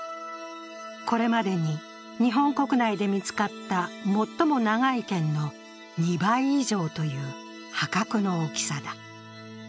これまでに日本国内で見つかった最も長い剣の２倍以上という破格の大きさだ。